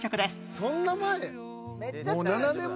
そんな前？